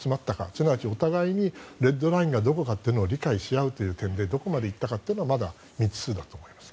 すなわち、お互いにレッドラインがどこかを理解し合う点でどこまで行ったかはまだ未知数だと思います。